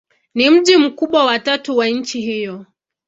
Ni mji mkubwa wa tatu wa nchi hiyo.